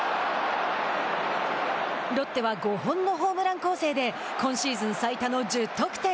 ロッテは５本のホームラン攻勢で今シーズン最多の１０得点。